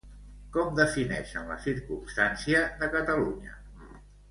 Com defineixen la circumstància de Catalunya?